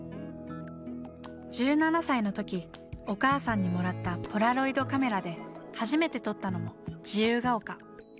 １７歳の時お母さんにもらったポラロイドカメラで初めて撮ったのも自由が丘。